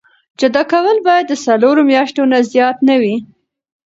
جدا کول باید د څلورو میاشتو نه زیات نه وي.